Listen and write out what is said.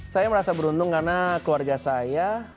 saya merasa beruntung karena keluarga saya